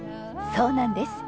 そうなんです。